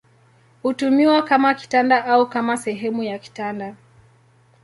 Hutumiwa kama kitanda au kama sehemu ya kitanda.